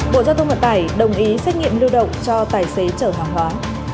bộ giao thông vận tải đồng ý xét nghiệm lưu động cho tài xế chở hàng hóa